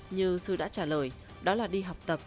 như sư đã trả lời đó là đi học tập